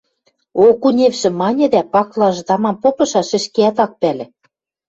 – Окуневшы маньы дӓ пакылажы тамам попышаш, ӹшкеӓт ак пӓлӹ.